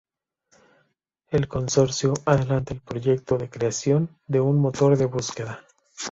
El consorcio adelanta el proyecto de creación de un motor de búsqueda.